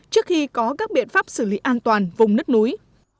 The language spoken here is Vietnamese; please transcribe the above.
trước khi có các biện pháp xử lý an toàn vùng nứt núi